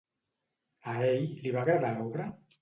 A ell li va agradar l'obra?